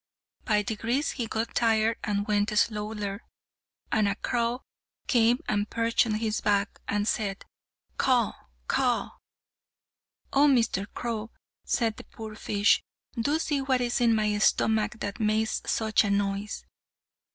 By degrees he got tired and went slower, and a crow came and perched on his back, and said "Caw, caw." "Oh, Mr. Crow," said the poor fish "do see what is in my stomach that makes such a noise."